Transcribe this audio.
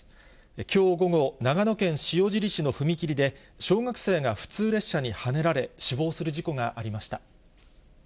きょう午後、長野県塩尻市の踏切で、小学生が普通列車にはねられ、死亡する事故がありました。